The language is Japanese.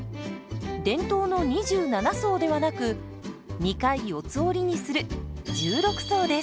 伝統の２７層ではなく２回四つ折りにする１６層です。